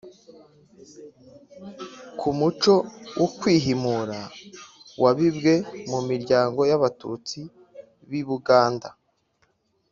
ku muco wo kwihimura wabibwe mu miryango y'abatutsi b'i buganda